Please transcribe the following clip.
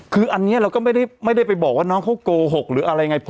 คืออันนี้เราก็ไม่ได้ไปบอกว่าน้องเขาโกหกหรืออะไรไง